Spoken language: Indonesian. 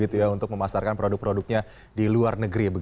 untuk memasarkan produk produknya di luar negeri